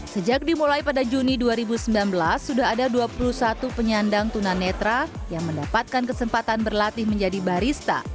sejak dimulai pada juni dua ribu sembilan belas sudah ada dua puluh satu penyandang tunanetra yang mendapatkan kesempatan berlatih menjadi barista